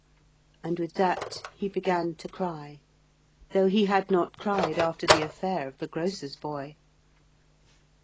And with that he began to cry, though he had not cried after the affair of the grocer's boy.